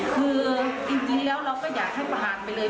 คือจริงเราก็อยากให้ประหารไปเลย